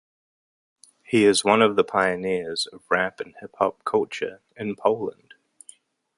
He is one of the pioneers of rap and hip-hop culture in Poland.